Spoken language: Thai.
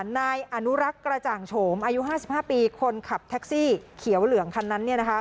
นายอนุรักษ์กระจ่างโฉมอายุ๕๕ปีคนขับแท็กซี่เขียวเหลืองคันนั้น